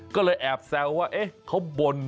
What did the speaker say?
ก็เลยแอบแซวว่าเอ๊ะเขาบน